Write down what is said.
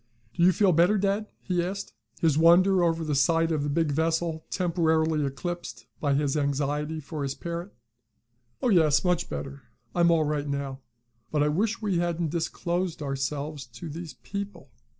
Do you feel better, dad?" he asked, his wonder over the sight of the big vessel temporarily eclipsed in his anxiety for his parent. "Oh, yes, much better. I'm all right now. But I wish we hadn't disclosed ourselves to these people.